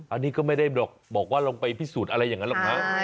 อันนี้ก็ไม่ได้บอกว่าลงไปพิสูจน์อะไรอย่างนั้นหรอกนะ